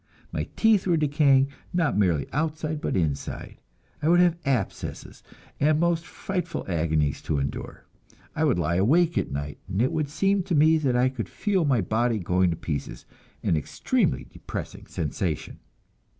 My teeth were decaying, not merely outside but inside; I would have abscesses, and most frightful agonies to endure. I would lie awake all night, and it would seem to me that I could feel my body going to pieces an extremely depressing sensation!